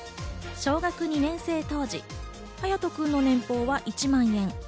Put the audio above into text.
小学２年生当時、はやとくんの年俸は１万円。